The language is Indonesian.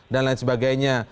dan lain sebagainya